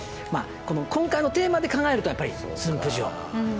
この今回のテーマで考えるとやっぱり駿府城。